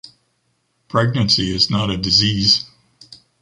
Pregnancy is not a disease.